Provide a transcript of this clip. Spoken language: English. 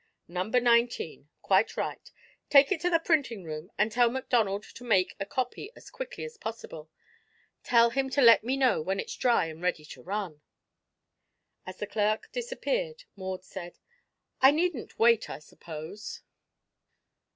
"Number nineteen. Quite right. Take it to the printing room and tell McDonald to make me a copy as quickly as possible. Tell him to let me know when it's dry and ready to run." As the clerk disappeared Maud said: "I needn't wait, I suppose?"